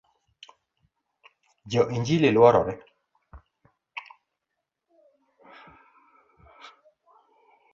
Jo injili luorore